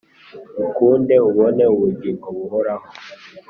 ukunde ubone ubugingo buhoraho